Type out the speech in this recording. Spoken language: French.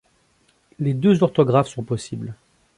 Les deux orthographes sont possibles.